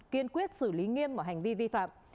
kiên quyết xử lý nghiêm mọi hành vi vi phạm